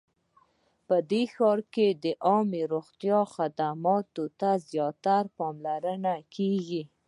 په دې ښار کې د عامه روغتیا خدمتونو ته زیاته پاملرنه کیږي